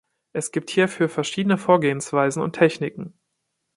Es gibt hierfür verschiedene Vorgehensweisen und Techniken.